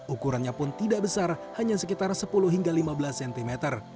ukurannya pun tidak besar hanya sekitar sepuluh hingga lima belas cm